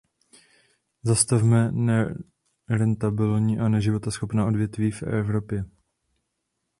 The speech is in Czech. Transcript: Zastavme nerentabilní a neživotaschopná odvětví v Evropě.